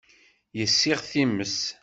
Yessiɣ times.